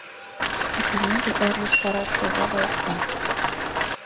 А пинеге ӧрдыжтырак шога да опта.